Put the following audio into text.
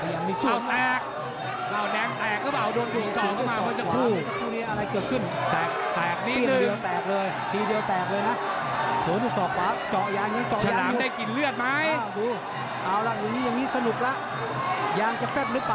ยางมีส่วนอ่ะเอ้าแตกเอ้าแตกหรือเปล่าโดนอีกสองเข้ามาเมื่อสักครู่